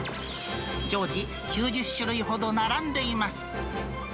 常時、９０種類ほど並んでいます。